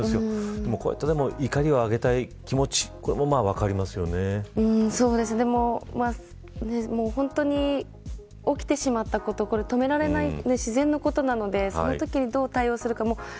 でも、こうやって怒りを上げたい気持ちでも本当に起きてしまったことこれは止められない自然のことなのでそのときに、どう対応するか。